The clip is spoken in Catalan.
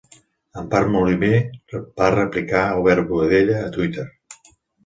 Empar Moliner va replicar Albert Boadella a Twitter